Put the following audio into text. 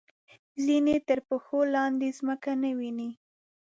ځینې تر پښو لاندې ځمکه نه ویني.